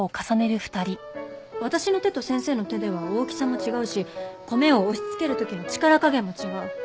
私の手と先生の手では大きさも違うし米を押しつける時の力加減も違う。